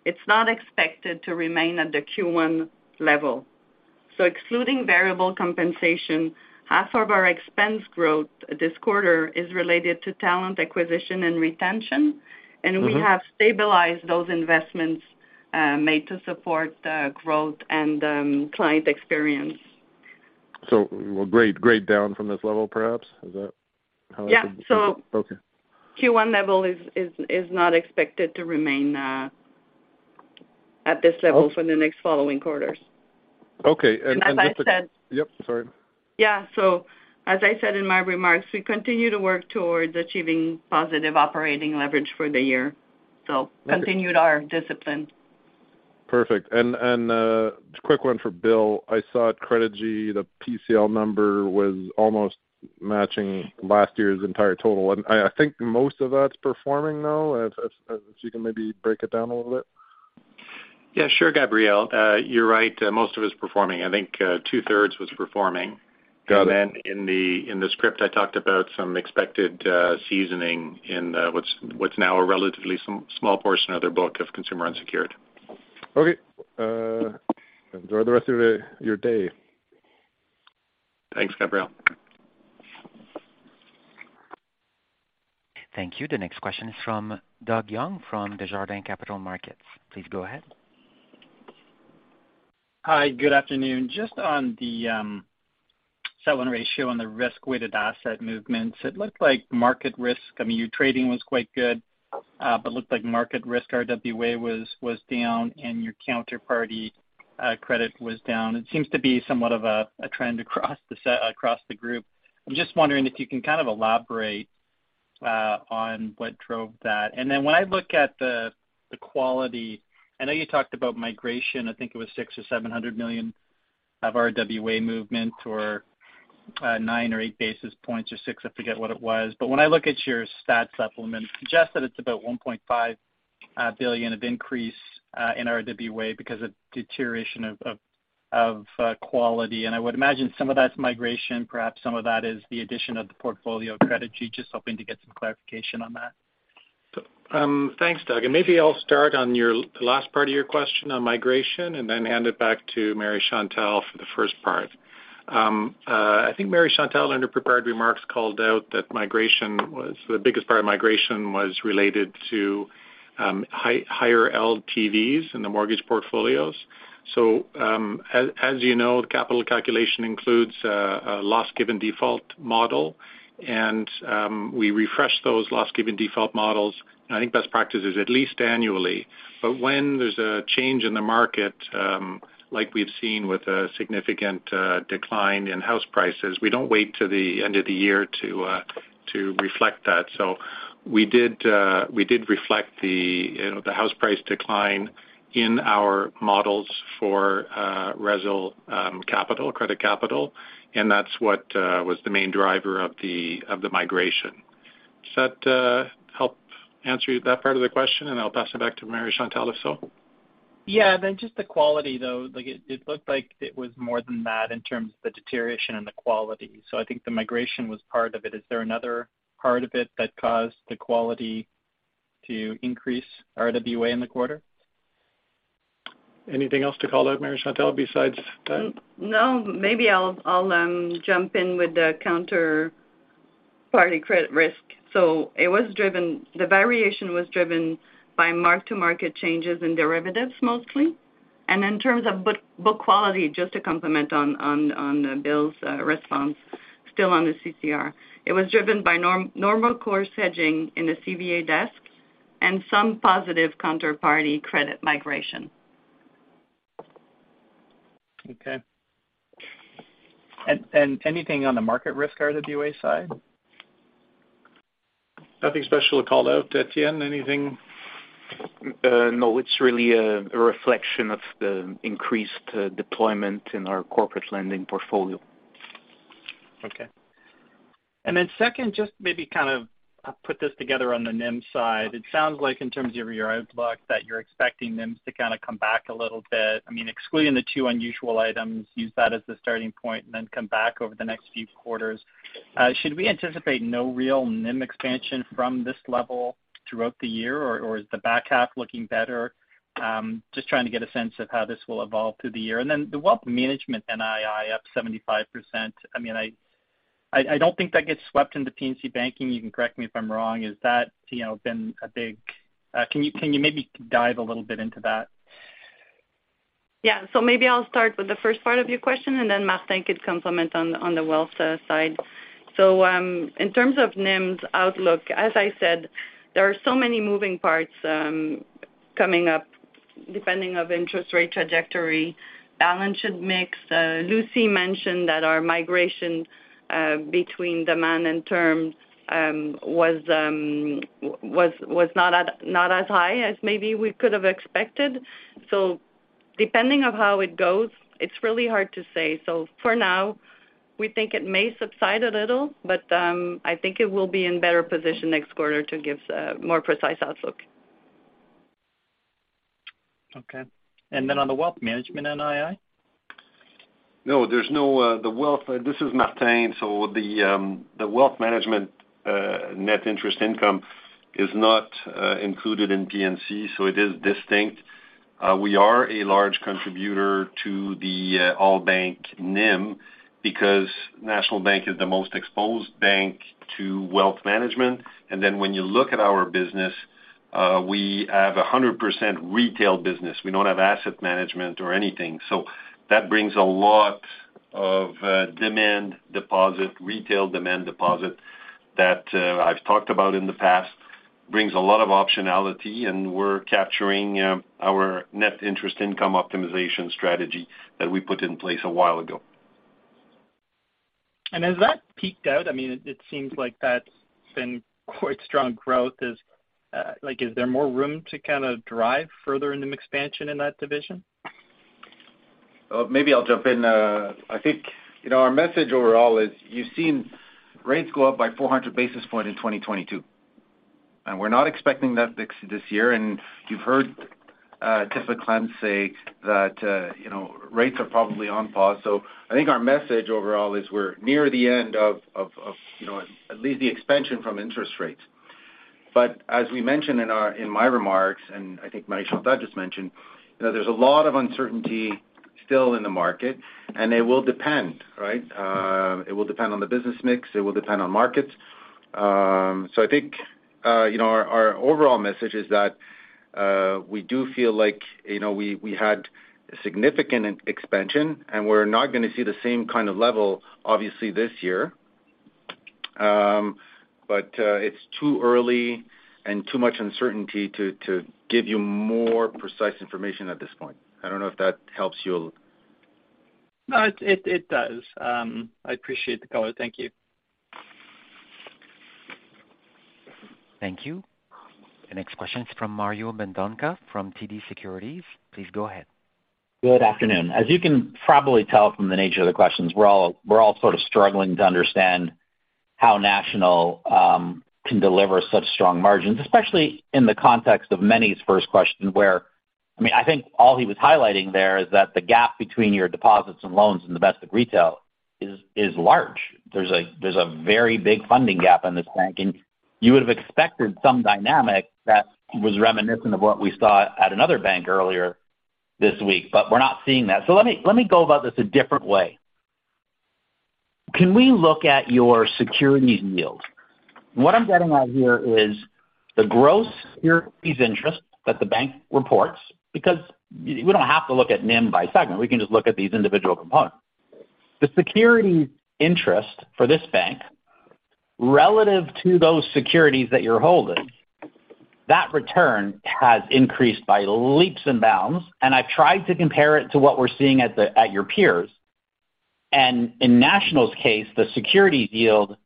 it's not expected to remain at the Q1 level. Excluding variable compensation, half of our expense growth this quarter is related to talent acquisition and retention. Mm-hmm. We have stabilized those investments, made to support the growth and client experience. grade down from this level, perhaps? Is that how I should? Yeah. Okay. Q1 level is not expected to remain at this level for the next following quarters. Okay. as I said- Yep, sorry. Yeah. As I said in my remarks, we continue to work towards achieving positive operating leverage for the year. Continued our discipline. Perfect. Quick one for Bill. I saw at Credigy, the PCL number was almost matching last year's entire total. I think most of that's performing though, if you can maybe break it down a little bit. Yeah, sure, Gabriel. You're right. Most of it's performing. I think, two-thirds was performing. Got it. In the script, I talked about some expected seasoning in what's now a relatively small portion of their book of consumer unsecured. Okay. enjoy the rest of your day. Thanks, Gabriel. Thank you. The next question is from Doug Young from Desjardins Capital Markets. Please go ahead. Hi. Good afternoon. Just on the seven ratio on the risk-weighted asset movements, it looked like market risk. I mean, your trading was quite good, but looked like market risk RWA was down and your counterparty credit was down. It seems to be somewhat of a trend across the group. I'm just wondering if you can kind of elaborate on what drove that. When I look at the quality, I know you talked about migration. I think it was 600 million or 700 million of RWA movement or nine or eight basis points or six, I forget what it was. When I look at your stat supplement, suggests that it's about 1.5 billion of increase in RWA because of deterioration of quality. I would imagine some of that's migration, perhaps some of that is the addition of the portfolio of Credigy. Just hoping to get some clarification on that. Thanks, Doug. Maybe I'll start on your the last part of your question on migration and then hand it back to Marie-Chantal for the first part. I think Marie-Chantal in her prepared remarks called out that the biggest part of migration was related to higher LTVs in the mortgage portfolios. As you know, the capital calculation includes a loss given default model, and we refresh those loss given default models, and I think best practice is at least annually. When there's a change in the market, like we've seen with a significant decline in house prices, we don't wait till the end of the year to reflect that. We did reflect the, you know, the house price decline in our models for resi, capital, credit capital, and that's what was the main driver of the migration. Does that help answer that part of the question? I'll pass it back to Marie-Chantal if so. Yeah. Just the quality, though. Like, it looked like it was more than that in terms of the deterioration and the quality. I think the migration was part of it. Is there another part of it that caused the quality To increase RWA in the quarter? Anything else to call out, Marie-Chantal, besides that? No. Maybe I'll jump in with the counterparty credit risk. The variation was driven by mark-to-market changes in derivatives mostly. In terms of book quality, just to complement on Bill's response, still on the CCR. It was driven by normal course hedging in the CVA desks and some positive counterparty credit migration. Okay. Anything on the market risk RWA side? Nothing special to call out. Étienne, anything? no, it's really a reflection of the increased deployment in our corporate lending portfolio. Okay. Then second, just maybe kind of put this together on the NIM side. It sounds like in terms of your outlook that you're expecting NIMs to kind of come back a little bit. I mean, excluding the two unusual items, use that as the starting point and then come back over the next few quarters. Should we anticipate no real NIM expansion from this level throughout the year, or is the back half looking better? Just trying to get a sense of how this will evolve through the year. The wealth management NII up 75%. I mean, I, I don't think that gets swept into PNC banking. You can correct me if I'm wrong. Is that, you know, been a big? Can you maybe dive a little bit into that? Yeah. Maybe I'll start with the first part of your question, and then Martin could complement on the wealth side. In terms of NIM's outlook, as I said, there are so many moving parts, coming up depending of interest rate trajectory, balances mix. Lucie mentioned that our migration between demand and term was not as high as maybe we could have expected. Depending on how it goes, it's really hard to say. For now, we think it may subside a little, but I think it will be in better position next quarter to give a more precise outlook. Okay. On the Wealth Management NII? No, there's no, this is Martin. The wealth management net interest income is not included in PNC, so it is distinct. We are a large contributor to the all bank NIM because National Bank is the most exposed bank to wealth management. When you look at our business, we have a 100% retail business. We don't have asset management or anything. That brings a lot of demand deposit, retail demand deposit that I've talked about in the past, brings a lot of optionality, and we're capturing our net interest income optimization strategy that we put in place a while ago. Has that peaked out? I mean, it seems like that's been quite strong growth. Is, like, is there more room to kind of drive further NIM expansion in that division? Maybe I'll jump in. I think, you know, our message overall is you've seen rates go up by 400 basis point in 2022. We're not expecting that this year. You've heard Tiff Macklem say that, you know, rates are probably on pause. I think our message overall is we're near the end of, you know, at least the expansion from interest rates. As we mentioned in my remarks, and I think Marie-Chantal just mentioned, you know, there's a lot of uncertainty still in the market, and it will depend, right? It will depend on the business mix. It will depend on markets. I think, you know, our overall message is that we do feel like, you know, we had significant expansion and we're not gonna see the same kind of level obviously this year. It's too early and too much uncertainty to give you more precise information at this point. I don't know if that helps you. No, it does. I appreciate the color. Thank you. Thank you. The next question is from Mario Mendonca from TD Securities. Please go ahead. Good afternoon. As you can probably tell from the nature of the questions, we're all sort of struggling to understand how National can deliver such strong margins, especially in the context of Meny's first question, where, I mean, I think all he was highlighting there is that the gap between your deposits and loans in the best of retail is large. There's a very big funding gap in this bank, and you would have expected some dynamic that was reminiscent of what we saw at another bank earlier this week, but we're not seeing that. Let me go about this a different way. Can we look at your securities yield? What I'm getting at here is the gross securities interest that the bank reports, because we don't have to look at NIM by segment. We can just look at these individual components. The securities interest for this bank, relative to those securities that you're holding, that return has increased by leaps and bounds. I've tried to compare it to what we're seeing at your peers. In National's case, the securities yield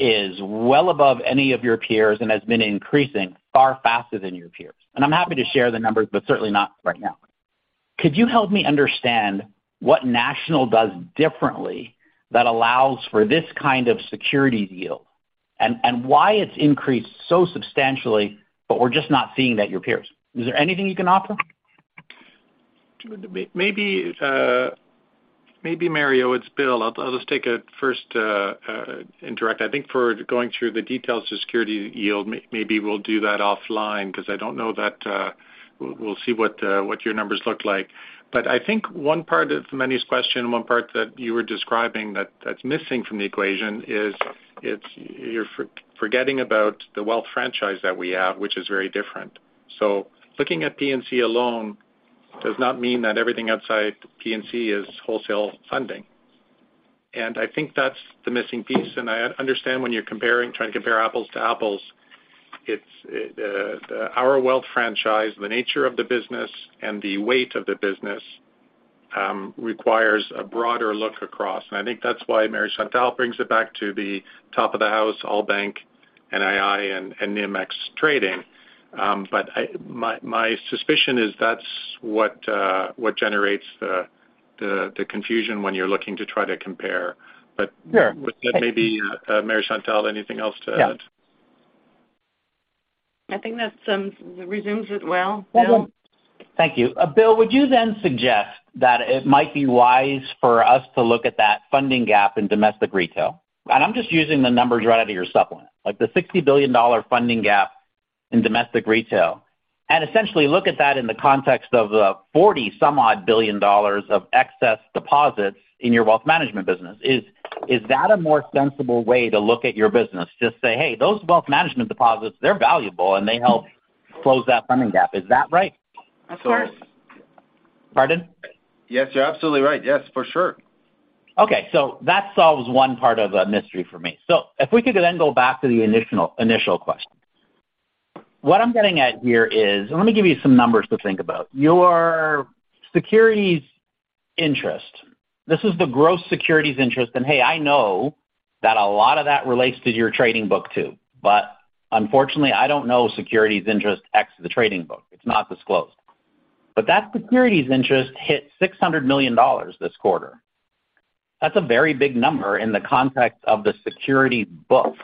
is well above any of your peers and has been increasing far faster than your peers. I'm happy to share the numbers, but certainly not right now. Could you help me understand what National does differently that allows for this kind of securities yield and why it's increased so substantially, but we're just not seeing that at your peers? Is there anything you can offer? Maybe Mario, it's Bill. I'll just take a first indirect. I think for going through the details to security yield, maybe we'll do that offline because I don't know that we'll see what your numbers look like. I think one part of Meny's question, one part that you were describing that's missing from the equation is you're forgetting about the wealth franchise that we have, which is very different. Looking at PNC alone does not mean that everything outside PNC is wholesale funding. I think that's the missing piece. I understand when you're comparing trying to compare apples to apples, it's our wealth franchise, the nature of the business and the weight of the business requires a broader look across. I think that's why Marie-Chantal brings it back to the top of the house, all bank, NII and NIM ex-trading. My suspicion is that's what generates the confusion when you're looking to try to compare. Sure. With that, maybe, Marie-Chantal, anything else to add I think that resumes it well, Bill. Thank you. Bill, would you then suggest that it might be wise for us to look at that funding gap in domestic retail? I'm just using the numbers right out of your supplement, like the 60 billion dollar funding gap in domestic retail, and essentially look at that in the context of the 40 some odd billion of excess deposits in your wealth management business. Is that a more sensible way to look at your business? Just say, "Hey, those wealth management deposits, they're valuable, and they help close that funding gap." Is that right? Of course. Pardon? Yes, you're absolutely right. Yes, for sure. Okay. That solves one part of a mystery for me. If we could then go back to the initial question. What I'm getting at here is, let me give you some numbers to think about. Your securities interest, this is the gross securities interest. Hey, I know that a lot of that relates to your trading book too, but unfortunately, I don't know securities interest X the trading book. It's not disclosed. That securities interest hit 600 million dollars this quarter. That's a very big number in the context of the securities book.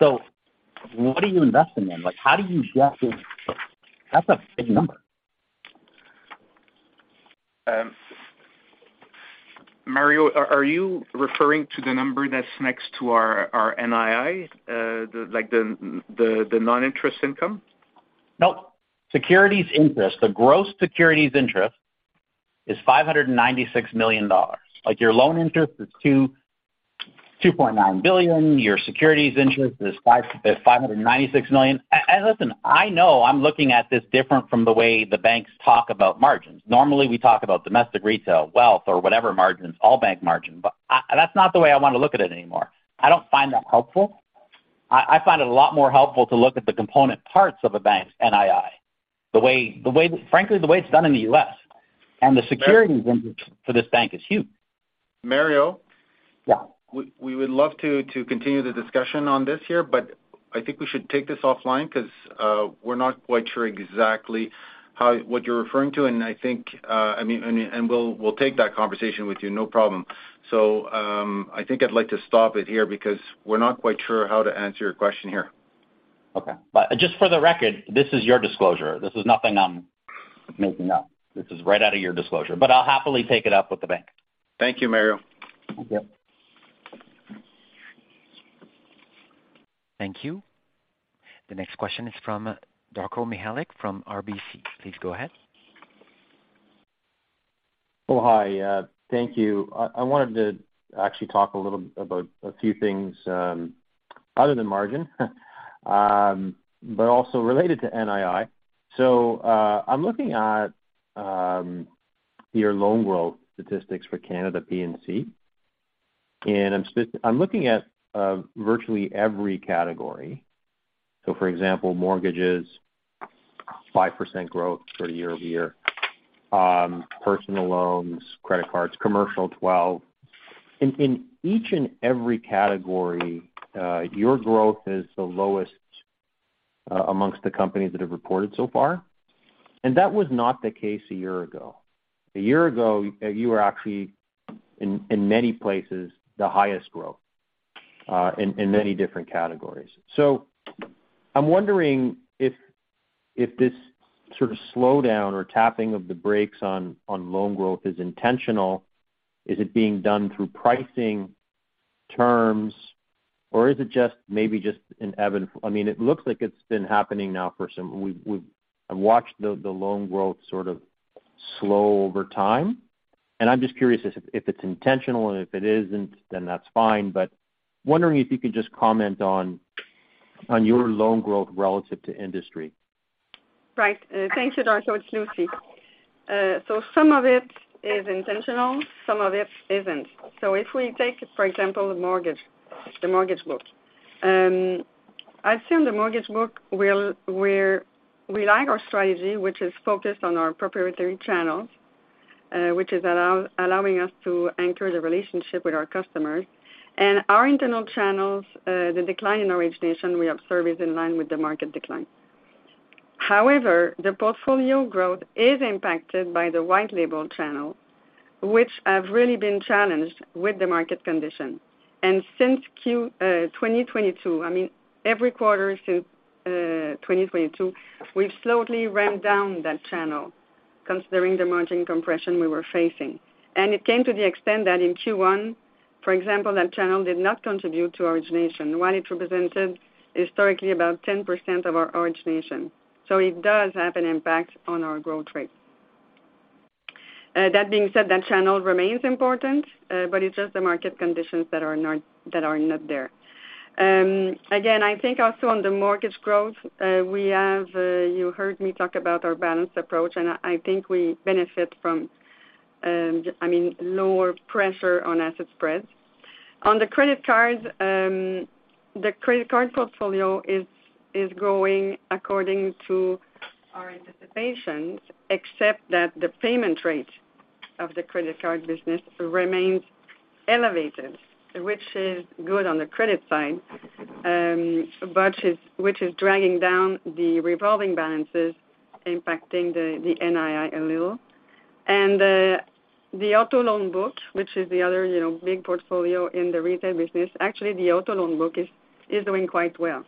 What are you investing in? Like, how do you justify that's a big number? Mario, are you referring to the number that's next to our NII? like the non-interest income? Nope. Securities interest. The gross securities interest is 596 million dollars. Like, your loan interest is 2.9 billion. Your securities interest is 596 million. Listen, I know I'm looking at this different from the way the banks talk about margins. Normally, we talk about domestic retail, wealth or whatever margins, all bank margin, but that's not the way I want to look at it anymore. I don't find that helpful. I find it a lot more helpful to look at the component parts of a bank's NII. The way, frankly, the way it's done in the U.S. The securities interest for this bank is huge. Mario? Yeah. We would love to continue the discussion on this here, but I think we should take this offline because we're not quite sure exactly what you're referring to. I think, I mean, we'll take that conversation with you, no problem. I think I'd like to stop it here because we're not quite sure how to answer your question here. Okay. just for the record, this is your disclosure. This is nothing I'm making up. This is right out of your disclosure. I'll happily take it up with the bank. Thank you, Mario. Thank you. Thank you. The next question is from Darko Mihelic from RBC. Please go ahead. Oh, hi. Thank you. I wanted to actually talk a little about a few things, other than margin, but also related to NII. I'm looking at your loan growth statistics for Canada PNC, and I'm looking at virtually every category. For example, mortgages, 5% growth for year-over-year, personal loans, credit cards, commercial, 12. In each and every category, your growth is the lowest amongst the companies that have reported so far. That was not the case a year ago. A year ago, you were actually in many places, the highest growth in many different categories. I'm wondering if this sort of slowdown or tapping of the brakes on loan growth is intentional. Is it being done through pricing terms, or is it just maybe just an evident. I mean, it looks like it's been happening now for some. We've watched the loan growth sort of slow over time. I'm just curious if it's intentional, and if it isn't, then that's fine. Wondering if you could just comment on your loan growth relative to industry. Right. Thank you, Darko. It's Lucie. Some of it is intentional, some of it isn't. If we take, for example, the mortgage book, I assume the mortgage book we like our strategy, which is focused on our proprietary channels, which is allowing us to anchor the relationship with our customers. Our internal channels, the decline in origination we observe is in line with the market decline. However, the portfolio growth is impacted by the white label channel- Which have really been challenged with the market condition. Since 2022, I mean, every quarter since 2022, we've slowly ramped down that channel considering the margin compression we were facing. It came to the extent that in Q1, for example, that channel did not contribute to origination, while it represented historically about 10% of our origination. It does have an impact on our growth rate. That being said, that channel remains important, but it's just the market conditions that are not there. Again, I think also on the mortgage growth, we have, you heard me talk about our balanced approach, and I think we benefit from, I mean, lower pressure on asset spreads. On the credit cards, the credit card portfolio is growing according to our anticipations, except that the payment rate of the credit card business remains elevated, which is good on the credit side, which is dragging down the revolving balances impacting the NII a little. The auto loan book, which is the other, you know, big portfolio in the retail business. Actually, the auto loan book is doing quite well.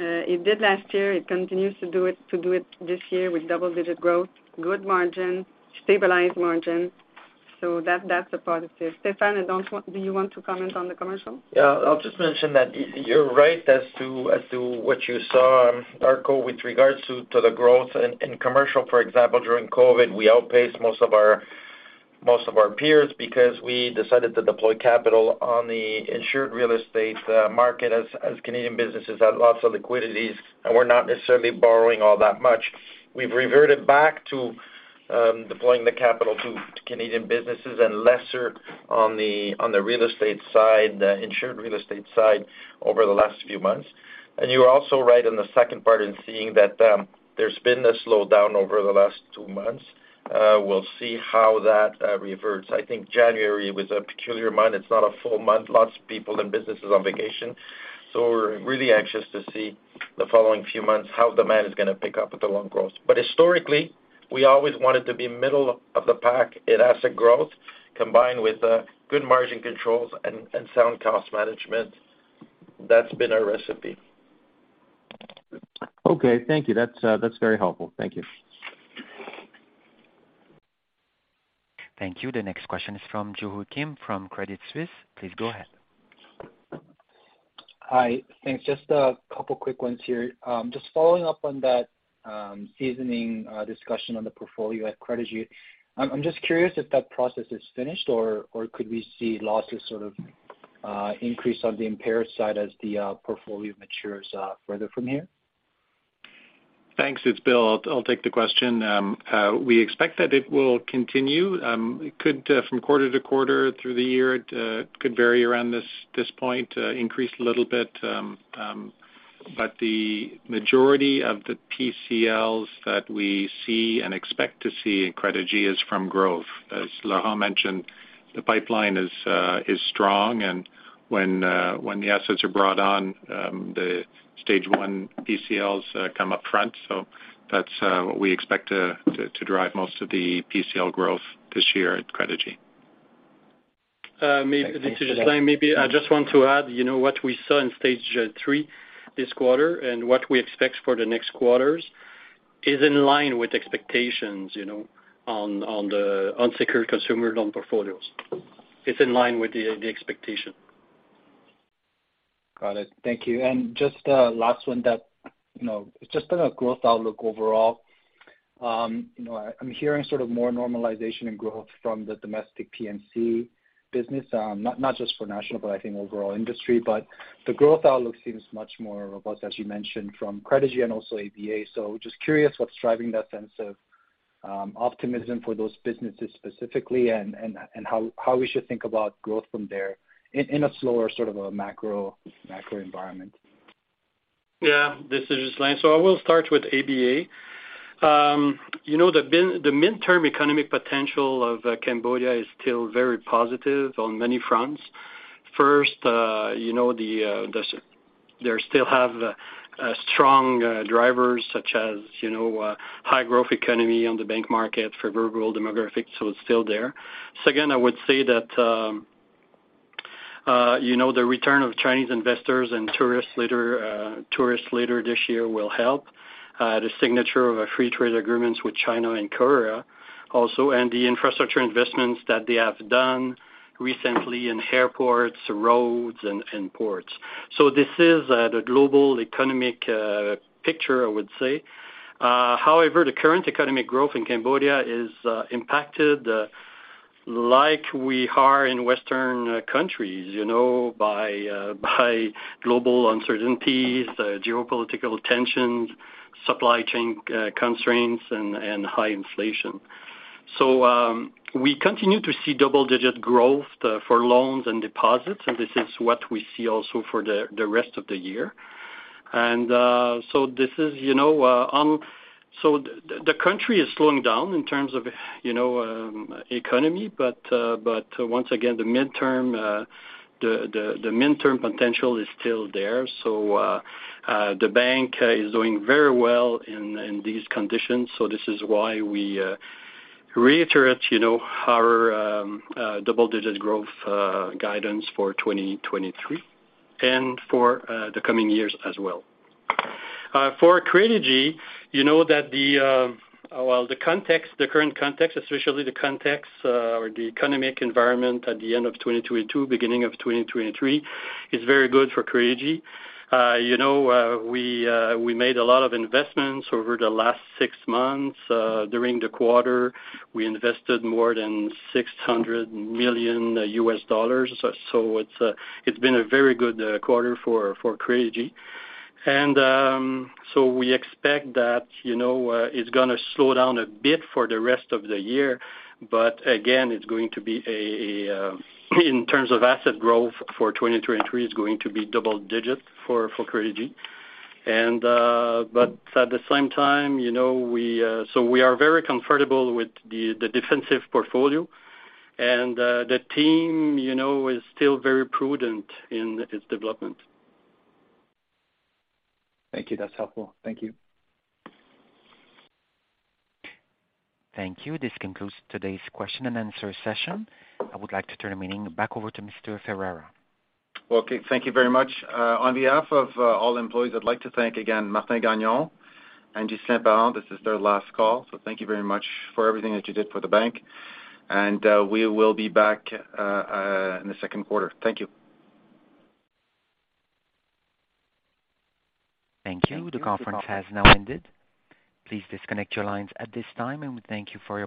It did last year. It continues to do it this year with double-digit growth, good margin, stabilized margin. That's a positive. Stéphane, I don't want... Do you want to comment on the commercial? Yeah. I'll just mention that you're right as to what you saw on ARCO with regards to the growth in commercial. For example, during COVID, we outpaced most of our peers because we decided to deploy capital on the insured real estate market as Canadian businesses had lots of liquidities and were not necessarily borrowing all that much. We've reverted back to deploying the capital to Canadian businesses and lesser on the real estate side, the insured real estate side over the last few months. You're also right in the second part in seeing that there's been a slowdown over the last two months. We'll see how that reverts. I think January was a peculiar month. It's not a full month. Lots of people and businesses on vacation. We're really anxious to see the following few months how demand is gonna pick up with the loan growth. Historically, we always wanted to be middle of the pack in asset growth, combined with good margin controls and sound cost management. That's been our recipe. Okay. Thank you. That's, that's very helpful. Thank you. Thank you. The next question is from Joo Ho Kim from Credit Suisse. Please go ahead. Hi. Thanks. Just a couple quick ones here. Just following up on that seasoning discussion on the portfolio at Credigy. I'm just curious if that process is finished, or could we see losses sort of increase on the impaired side as the portfolio matures further from here? Thanks. It's Bill. I'll take the question. We expect that it will continue. It could from quarter to quarter through the year, it could vary around this point, increase a little bit. The majority of the PCLs that we see and expect to see in Credigy is from growth. As Laurent mentioned, the pipeline is strong. When the assets are brought on, the stage one PCLs come upfront. That's what we expect to drive most of the PCL growth this year at Credigy. Uh, may- Thanks, Joo Ho. This is Ghislain. Maybe I just want to add, you know, what we saw in stage three this quarter and what we expect for the next quarters is in line with expectations, you know, on the unsecured consumer loan portfolios. It's in line with the expectation. Got it. Thank you. Just a last one that, you know, just on a growth outlook overall. you know, I'm hearing sort of more normalization in growth from the domestic PNC business, not just for National, but I think overall industry. The growth outlook seems much more robust, as you mentioned, from Credigy and also ABA. Just curious what's driving that sense of optimism for those businesses specifically, and how we should think about growth from there in a slower sort of a macro environment. This is Ghislain. I will start with ABA. you know, the midterm economic potential of Cambodia is still very positive on many fronts. First, you know, the they still have strong drivers such as, you know, high growth economy on the bank market for rural demographics, so it's still there. Second, I would say that, you know, the return of Chinese investors and tourists later this year will help the signature of a free trade agreements with China and Korea also, and the infrastructure investments that they have done recently in airports, roads, and ports. This is the global economic picture, I would say. However, the current economic growth in Cambodia is impacted like we are in Western countries, you know, by global uncertainties, geopolitical tensions, supply chain constraints and high inflation. We continue to see double-digit growth for loans and deposits, and this is what we see also for the rest of the year. This is, you know, the country is slowing down in terms of, you know, economy, but once again, the mid-term potential is still there. The bank is doing very well in these conditions. This is why we reiterate, you know, our double-digit growth guidance for 2023 and for the coming years as well. For Credigy, you know that the, well, the context, the current context, especially the context, or the economic environment at the end of 2022, beginning of 2023, is very good for Credigy. You know, we made a lot of investments over the last six months. During the quarter, we invested more than $600 million. It's been a very good quarter for Credigy. We expect that, you know, it's gonna slow down a bit for the rest of the year, but again, it's going to be in terms of asset growth for 2023, it's going to be double-digit for Credigy. At the same time, you know, we are very comfortable with the defensive portfolio. The team, you know, is still very prudent in its development. Thank you. That's helpful. Thank you. Thank you. This concludes today's question and answer session. I would like to turn the meeting back over to Mr. Ferreira. Well, okay. Thank you very much. On behalf of all employees, I'd like to thank again Martin Gagnon and Ghislain Parent. This is their last call, so thank you very much for everything that you did for the bank. We will be back in the second quarter. Thank you. Thank you. The conference has now ended. Please disconnect your lines at this time. We thank you for your participation.